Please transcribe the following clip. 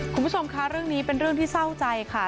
คุณผู้ชมคะเรื่องนี้เป็นเรื่องที่เศร้าใจค่ะ